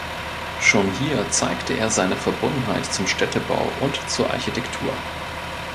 Schon hier zeigte er seine Verbundenheit zum Städtebau und zur Architektur.